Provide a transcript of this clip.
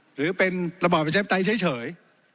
หรือเป็นระบอบเชฟไตยเฉย